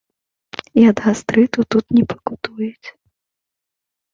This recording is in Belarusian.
І ад гастрыту тут не пакутуюць.